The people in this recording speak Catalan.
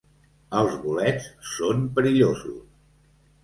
Els bolets són perillosos.